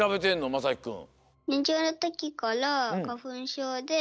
まさきくん。